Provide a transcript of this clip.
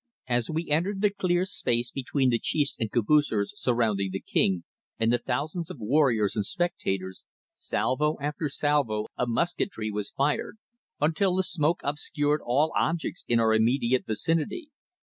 As we entered the cleared space between the chiefs and caboocers surrounding the King and the thousands of warriors and spectators, salvo after salvo of musketry was fired, until the smoke obscured all objects in our immediate vicinity.